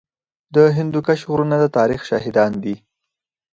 د هندوکش غرونه د تاریخ شاهدان دي